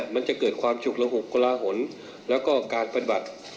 มันจะเกิดความฉุกละหกกระหลาหลนและก็การประดบัติ